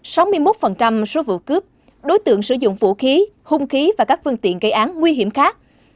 sáu mươi một số vụ cướp đối tượng sử dụng vũ khí hung khí và các phương tiện gây án nguy hiểm khác